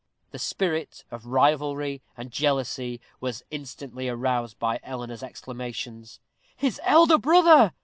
The spirit of rivalry and jealousy was instantly aroused by Eleanor's exclamations. "His elder brother!"